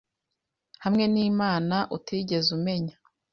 Hamwe nimana utigeze umenya